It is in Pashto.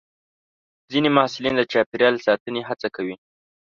ځینې محصلین د چاپېریال ساتنې هڅه کوي.